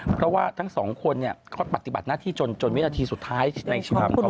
เพราะว่าทั้งสองคนเขาปฏิบัติหน้าที่จนวินาทีสุดท้ายในชีวิตภาพมีคัน